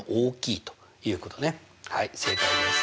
はい正解です。